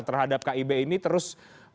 terhadap kib ini terus